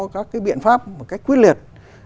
các cái biện pháp một cách quyết liệt